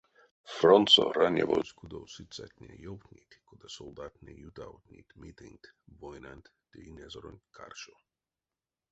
Фронтсо ранявозь кудов сыцятне ёвтнить, кода солдатнэ ютавтнить митингт войнанть ды инязоронть каршо.